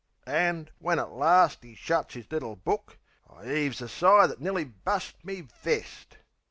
An', when at last 'e shuts 'is little book, I 'eaves a sigh that nearly bust me vest.